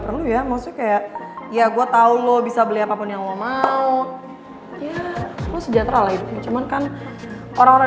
perlu ya maksudnya kayak ya gua tahu lo bisa beli apa pun yang mau sejatera hidup cuman kan orang orang